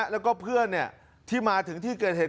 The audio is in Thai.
แล้วก็เพื่อนที่มาถึงที่เกิดเหตุ